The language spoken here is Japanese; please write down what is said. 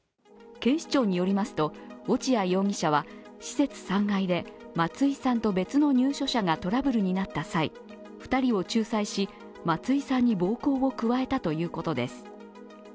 警視庁によりますと落合容疑者は、施設３階で松井さんと別の入所者がトラブルになった際、２人を仲裁し、松井さんに暴行を加えたということです。